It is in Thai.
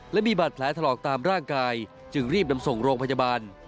และมีบาดแผลถลอกตามร่างกายจึงรีบนำส่งโรงพยาบาล